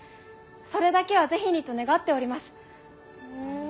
それだけは是非にと願っております。